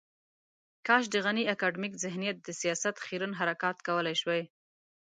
کاش د غني اکاډمیک ذهنیت د سياست خیرن حرکات کولای شوای.